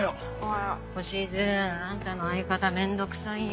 おしずあんたの相方面倒くさいよ。